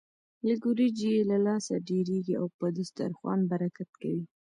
لږ وريجې يې له لاسه ډېرېږي او په دسترخوان برکت کوي.